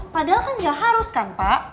padahal kan ya harus kan pak